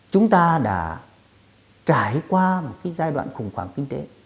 chúng ta đã trải qua một giai đoạn khủng khoảng kinh tế